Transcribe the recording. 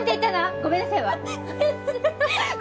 ごめんなさい！